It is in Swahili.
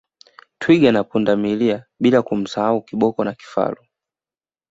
Twiga na Pundamilia bila kumsahau Kiboko na kifaru